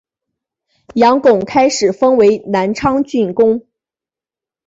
杨珙开始封为南昌郡公。